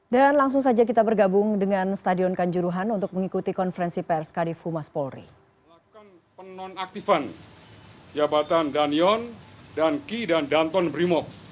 dan langsung saja kita bergabung dengan stadion kanjuruhan untuk mengikuti konferensi pers karif humas polri